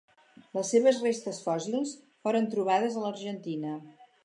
Les seves restes fòssils foren trobades a l'Argentina.